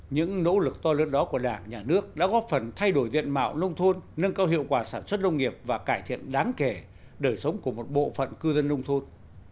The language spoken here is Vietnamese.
những nỗ lực to lớn đó của đảng nhà nước đã góp phần thay đổi diện mạo nông thôn nâng cao hiệu quả sản xuất nông nghiệp và cải thiện đáng kể đời sống của một bộ phận cư dân nông thôn